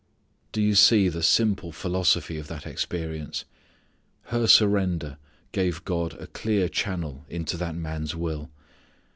Do you see the simple philosophy of that experience. Her surrender gave God a clear channel into that man's will.